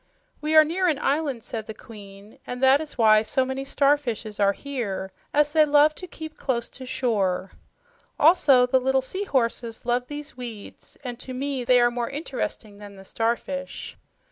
"We are near an island," said the Queen, "and that is why so many starfishes are here, as they love to keep close to shore. Also the little seahorses love these weeds, and to me they are more interesting than the starfish."